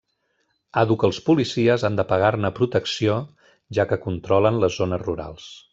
Àdhuc els policies han de pagar-ne protecció, ja que controlen les zones rurals.